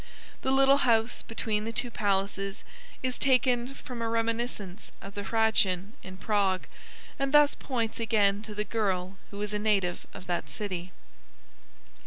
The little house between the two palaces is taken from a reminiscence of the Hradschin in Prague, and thus points again to the girl who is a native of that city.